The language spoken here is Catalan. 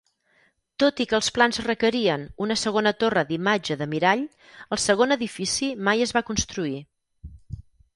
Tot i que els plans requerien una segona torre d'imatge de mirall, el segon edifici mai es va construir.